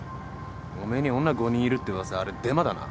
おめえに女５人いるって噂あれデマだな？